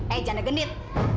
eh janda genit